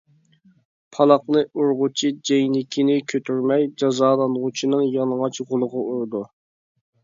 پالاقنى ئۇرغۇچى جەينىكىنى كۆتۈرمەي، جازالانغۇچىنىڭ يالىڭاچ غولىغا ئۇرىدۇ.